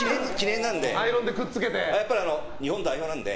やっぱり日本代表なので。